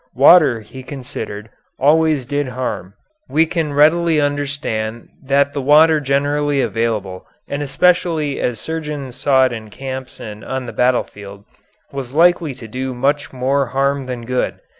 Water, he considered, always did harm. We can readily understand that the water generally available and especially as surgeons saw it in camps and on the battlefield, was likely to do much more harm than good.